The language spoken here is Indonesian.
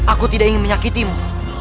aku tidak ingin menyakitimu